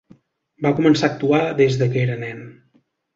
Va començar a actuar des que era nen.